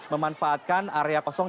memanfaatkan area kosong